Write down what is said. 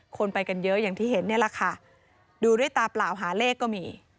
คนไปกันเยอะอย่างที่เห็นนี่แหละค่ะดูด้วยตาเปล่าหาเลขก็มี